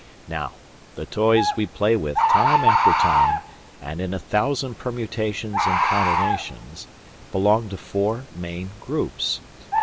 Now, the toys we play with time after time, and in a thousand permutations and combinations, belong to four main groups.